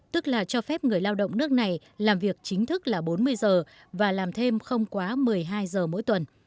tức là cho phép người lao động nước này làm việc chính thức là bốn mươi giờ và làm thêm không quá một mươi hai giờ mỗi tuần